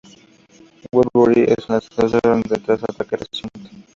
Woodbury está en desorden tras el ataque reciente.